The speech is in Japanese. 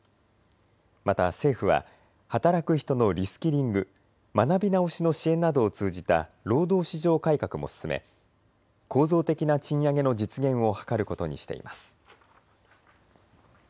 また政府は働く人のリスキリング・学び直しの支援などを通じた労働市場改革も進め構造的な賃上げの実現を図ることにしています。